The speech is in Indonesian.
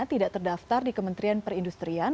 tidak terdaftar di kementerian perindustrian